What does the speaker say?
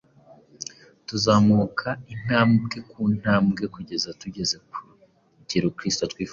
Tuzamuka intambwe ku ntambwe kugeza tugeze ku rugero Kristo atwifuriza.